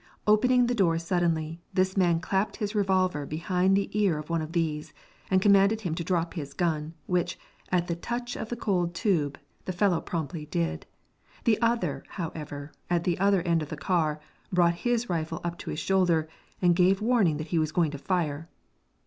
Opening the door suddenly, this man clapped his revolver behind the ear of one of these, and commanded him to drop his gun, which, at the touch of the cold tube, the fellow promptly did. The other, however, at the other end of the car, brought his rifle up to his shoulder and gave warning that he was going to fire.